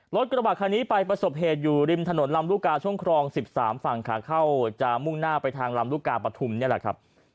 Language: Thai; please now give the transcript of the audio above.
รถกระบะคันนี้ไปประสบเหตุอยู่ริมถนนลำลูกกาช่วงครอง๑๓ฝั่งขาเข้าจะมุ่งหน้าไปทางลำลูกกาปฐุมนี่แหละครับ